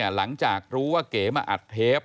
หลังจากรู้ว่าเก๋มาอัดเทป